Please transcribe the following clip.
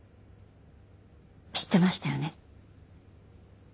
知ってましたよね？